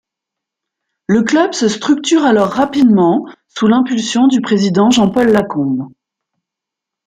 Le club se structure alors rapidement, sous l'impulsion du président Jean-Paul Lacombe.